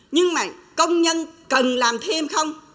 nhưng mà công nhân cần làm thêm không